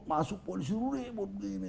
masuk polisi ribut begini